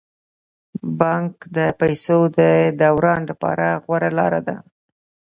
بانک د پيسو د دوران لپاره غوره لاره ده.